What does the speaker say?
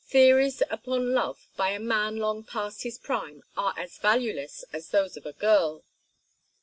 Theories upon love by a man long past his prime are as valueless as those of a girl."